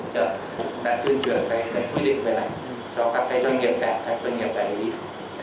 chúng ta chuyên truyền cái quy định về này cho các doanh nghiệp cảng các doanh nghiệp cảnh đi